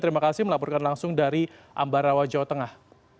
terima kasih melaporkan langsung dari ambarawa jawa tengah